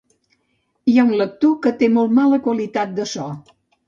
Hi ha un lector que té molt mala qualitat de so